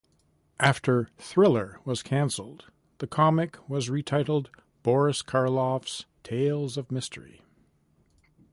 After "Thriller" was cancelled, the comic was retitled "Boris Karloff's Tales of Mystery.